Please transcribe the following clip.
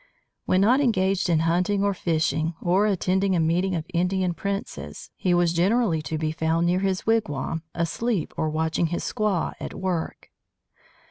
When not engaged in hunting or fishing, or attending a meeting of Indian princes, he was generally to be found near his wigwam, asleep or watching his squaw at work.